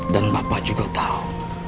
dan bapak juga tahu